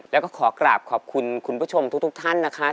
แล้วก็ขอกราบขอบคุณคุณผู้ชมทุกท่านนะคะ